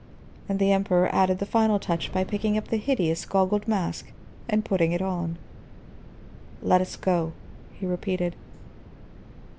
And the Emperor added the final touch by picking up the hideous goggled mask and putting it on. "Let us go," he repeated.